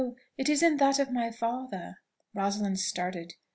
It is in that of my father." Rosalind started.